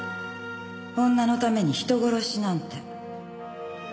女のために人殺しなんて。